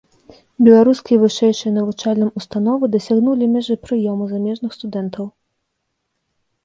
Беларускія вышэйшыя навучальным ўстановы дасягнулі мяжы прыёму замежных студэнтаў.